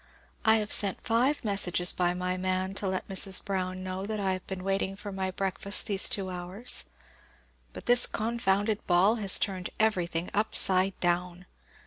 I have sent five messages by my man to let Mrs. Brown know that I have been waiting for my breakfast these two hours; but this confounded ball has turned everything upside down!